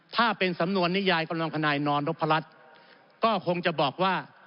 ถ้าเป็นสำนวนนิยายกำลังทนายนอนนพรัชก็คงจะบอกว่า